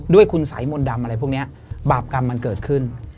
ด้วยคุณสัยมนต์ดำอะไรพวกนี้บาปกรรมมันเกิดขึ้น